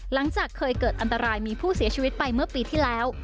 หลังจากเคยเกิดอันตรายมีผู้เสียชีวิตไปเมื่อปีที่แล้ว